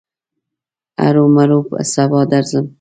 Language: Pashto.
هرو مرو به سبا درځم.